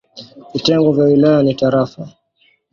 Vitengo vya wilaya ni tarafa.